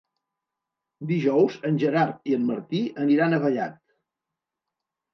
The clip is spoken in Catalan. Dijous en Gerard i en Martí aniran a Vallat.